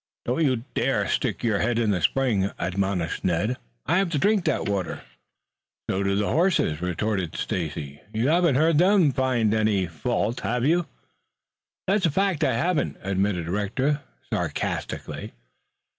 "Don't you dare stick your head in the spring," admonished Ned. "I have to drink that water." "So do the horses," retorted Stacy. "You haven't heard them find any fault, have you?" "That's a fact, I haven't," admitted Rector sarcastically.